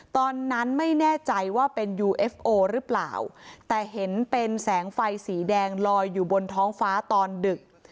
ตอนนั้นไม่แน่ใจว่าเป็นยูเอฟโอหรือเปล่าแต่เห็นเป็นแสงไฟสีแดงลอยอยู่บนท้องฟ้าตอนดึก